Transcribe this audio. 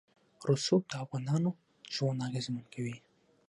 رسوب د افغانانو ژوند اغېزمن کوي.